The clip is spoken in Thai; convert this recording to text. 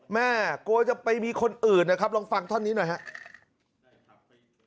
แม่กลัวจะไปมีคนอื่นนะครับลองฟังท่อนนี้หน่อยครับ